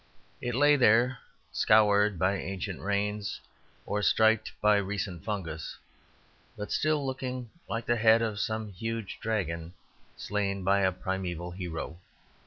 It lay there, scoured by ancient rains or striped by recent fungus, but still looking like the head of some huge dragon slain by a primeval hero.